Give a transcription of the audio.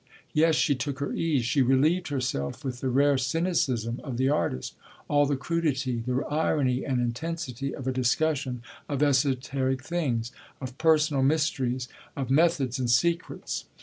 Yes, she took her ease; she relieved herself, with the rare cynicism of the artist all the crudity, the irony and intensity of a discussion of esoteric things of personal mysteries, of methods and secrets.